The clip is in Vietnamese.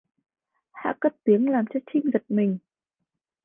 Hạ cất tiếng làm cho Trinh giất mình